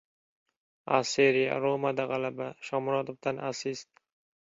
A Seriya! "Roma"da g‘alaba, Shomurodovdan assist